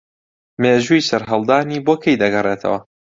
مێژووی سەرهەڵدانی بۆ کەی دەگەڕێتەوە